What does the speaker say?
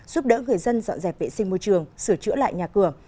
giúp đỡ người dân dọn dẹp vệ sinh môi trường sửa chữa lại nhà cửa